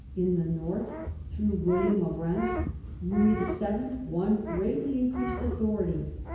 In the north, through William of Rheims, Louis VII. won greatly increased authority.